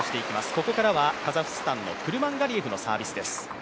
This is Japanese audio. ここからは、カザフスタンのクルマンガリエフのサービスです。